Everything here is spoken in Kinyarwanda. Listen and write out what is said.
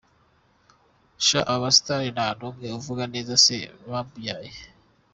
Sha aba ba stars nta numwe uvuga neza se wamubyaye.